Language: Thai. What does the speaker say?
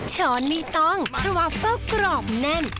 ช้อนไม่ต้องเพราะว่าเฟอร์กรอบแน่น